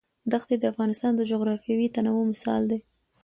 دښتې د افغانستان د جغرافیوي تنوع مثال دی.